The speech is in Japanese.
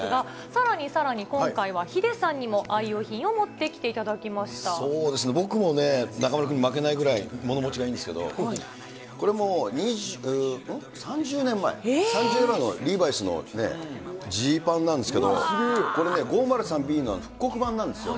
さらにさらに、今回はヒデさんにも愛用品を持ってきていただそうですね、僕もね、中丸君に負けないぐらい物持ちがいいんですけど、これ、もう３０年前、３０年前のリーバイスのジーパンなんですけど、これね、５０３Ｂの復刻版なんですよ。